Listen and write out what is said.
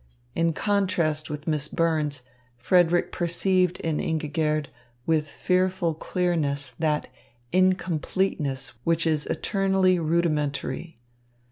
In contrast with Miss Burns, Frederick perceived in Ingigerd with fearful clearness that incompleteness which is eternally rudimentary.